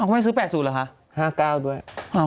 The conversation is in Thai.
ไม่ซื้อ๘๐เหรอคะ๕๙ด้วย